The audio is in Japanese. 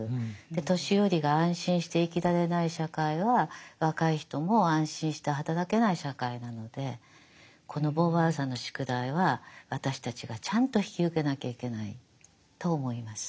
年寄りが安心して生きられない社会は若い人も安心して働けない社会なのでこのボーヴォワールさんの宿題は私たちがちゃんと引き受けなきゃいけないと思います。